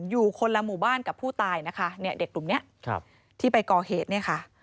อยู่คนละหมู่บ้านกับผู้ตายนะคะ